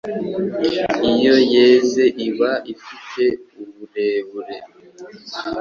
iyo yeze iba ifite uburebure